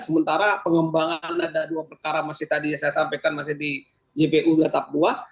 sementara pengembangan ada dua perkara masih tadi saya sampaikan masih di jpu letak dua